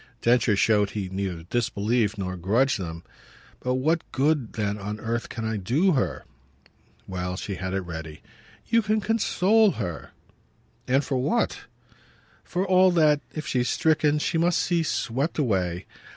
Densher showed he neither disbelieved nor grudged them. "But what good then on earth can I do her?" Well, she had it ready. "You can console her." "And for what?" "For all that, if she's stricken, she must see swept away.